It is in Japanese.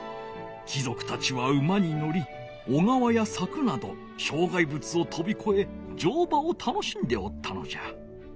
貴族たちは馬にのり小川やさくなど障害物をとびこえじょうばを楽しんでおったのじゃ。